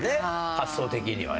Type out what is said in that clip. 発想的にはね。